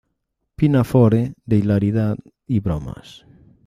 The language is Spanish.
Pinafore" de hilaridad y bromas.